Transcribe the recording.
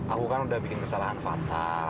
aku kan udah bikin kesalahan fakta